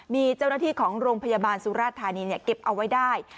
มีเจ้าหน้าที่ของโรงพยาบาลสุราธานีเก็บเอาไว้ได้